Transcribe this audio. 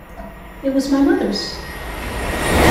It was my mother's.